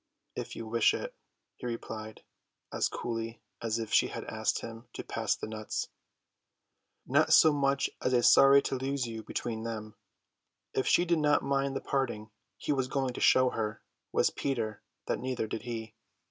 "If you wish it," he replied, as coolly as if she had asked him to pass the nuts. Not so much as a sorry to lose you between them! If she did not mind the parting, he was going to show her, was Peter, that neither did he.